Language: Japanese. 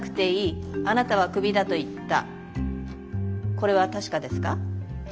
これは確かですか？